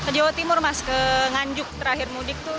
ke jawa timur mas ke nganjuk terakhir mudik tuh